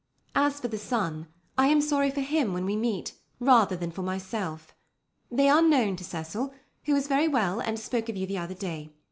As for the son, I am sorry for him when we meet, rather than for myself. They are known to Cecil, who is very well and spoke of you the other day.